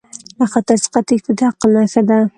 له خطر څخه تیښته د عقل نښه ده.